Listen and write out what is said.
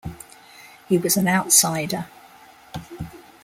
He was an outsider.